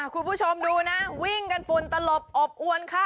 คุณผู้ชมดูนะวิ่งกันฝุ่นตลบอบอวนค่ะ